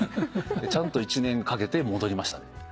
ちゃんと１年かけて戻りましたね。